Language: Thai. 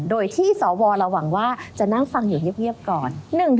โดยที่สวเราหวังว่าจะนั่งฟังอยู่เงียบก่อน